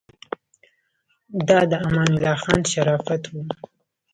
دا د امان الله خان شرافت و.